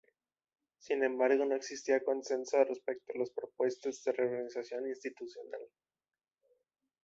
Sin embargo no existía consenso respecto a las propuestas de reorganización institucional.